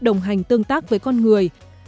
đồng hành tương tác với con người